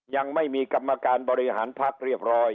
ยังไม่มีกรรมการบริหารพักเรียบร้อย